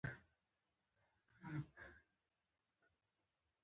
پسه باید له تاوتریخوالي وساتل شي.